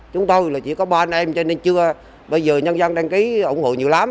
chúng tôi là chỉ có ba anh em cho nên chưa bây giờ nhân dân đăng ký ủng hộ nhiều lắm